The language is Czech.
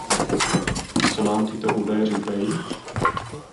Co nám tyto údaje říkají?